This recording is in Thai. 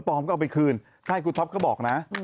เออปลอมก็เอาไปคืนใช่กูท็อปก็บอกนะ